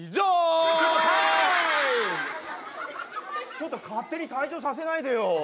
ちょっと勝手に退場させないでよ。